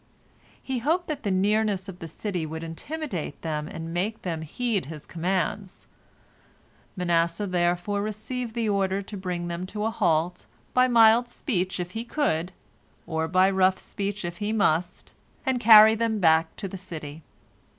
He hoped that the nearness of the city would intimidate them and make them heed his commands. Manasseh therefore received the order to bring them to a halt, by mild speech if he could, or by rough speech if he must, and carry them back to the city.